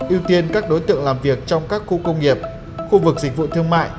ưu tiên các đối tượng làm việc trong các khu công nghiệp khu vực dịch vụ thương mại